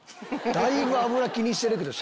だいぶ油気にしてるけど。